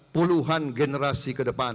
puluhan generasi ke depan